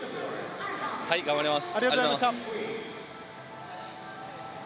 はい、頑張ります。